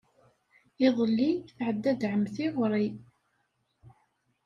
Iḍelli, tɛedda-d ɛemmti ɣer-i.